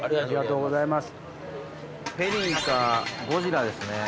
ペリーかゴジラですね。